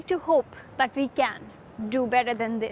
kita bisa melakukan lebih baik daripada ini